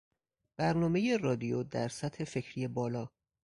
برنامهی رادیو در سطح فکری بالا